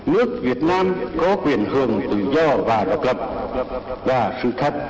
nước việt nam có quyền hưởng tự do và độc lập và sự thấp